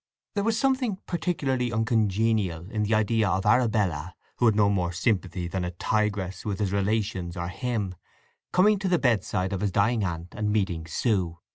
There was something particularly uncongenial in the idea of Arabella, who had no more sympathy than a tigress with his relations or him, coming to the bedside of his dying aunt, and meeting Sue.